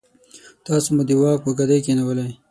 تاسو مو د واک په ګدۍ کېنولئ.